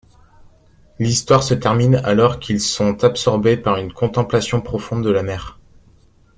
L’histoire se termine alors qu’ils sont absorbés par une contemplation profonde de la mer.